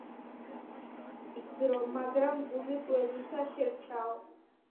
გველმა კანი გაიძრო, მაგრამ გული გველისა შერჩაო